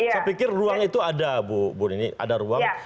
saya pikir ruang itu ada bu nini ada ruang